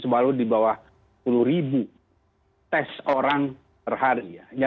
selalu di bawah sepuluh ribu tes orang per hari